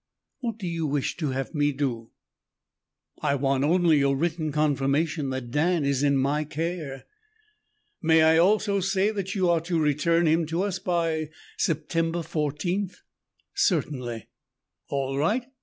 "What do you wish to have me do?" "I want only your written confirmation that Dan is in my care." "May I also say that you are to return him to us by September fourteenth?" "Certainly." "All right.